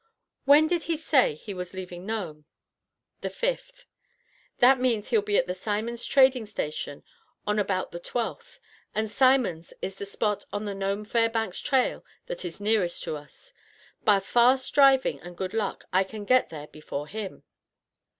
"When did he say he was leaving Nome?" "The 5th." "That means he'll be at the Siman's trading station on about the 12th. And Siman's is the spot on the Nome Fairbanks trail that is nearest to us. By fast driving and good luck I can get there before him."